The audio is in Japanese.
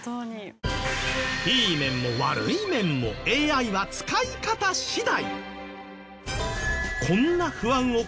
いい面も悪い面もＡＩは使い方次第。